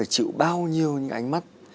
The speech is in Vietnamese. chịu bao nhiêu những ánh mắt